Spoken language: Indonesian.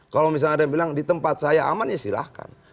kalau misalnya ada yang bilang di tempat saya aman ya silahkan